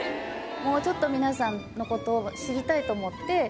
もうちょっと皆さんのことを知りたいと思って。